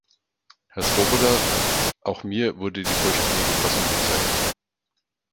Herr Swoboda, auch mir wurde die vollständige Fassung gezeigt.